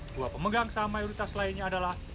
dua pemegang saham mayoritas lainnya adalah